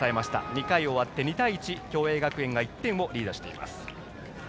２回終わって２対１共栄学園が１点をリードしています。